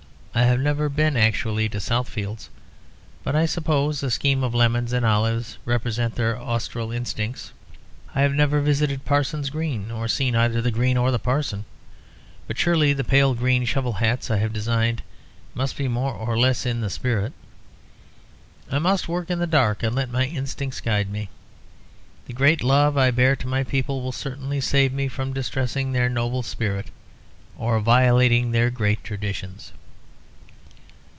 I have never been actually to Southfields, but I suppose a scheme of lemons and olives represent their austral instincts. I have never visited Parson's Green, or seen either the Green or the Parson, but surely the pale green shovel hats I have designed must be more or less in the spirit. I must work in the dark and let my instincts guide me. The great love I bear to my people will certainly save me from distressing their noble spirit or violating their great traditions."